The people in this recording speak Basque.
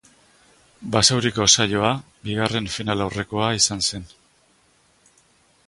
Basauriko saioa bigarren finalaurrekoa izan zen.